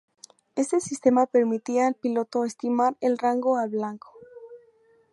Este sistema permitía al piloto estimar el rango al blanco.